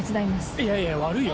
いやいや悪いよ。